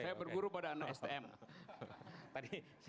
saya berburu pada anak stm